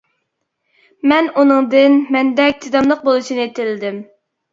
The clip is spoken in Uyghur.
مەن ئۇنىڭدىن مەندەك چىداملىق بولۇشنى تىلىدىم.